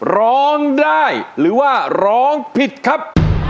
ร้องได้หรือว่าร้องผิดครับ